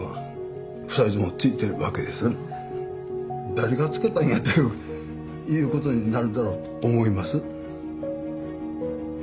誰がつけたんやということになるだろうと思います。